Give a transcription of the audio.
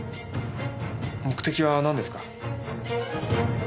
目的はなんですか？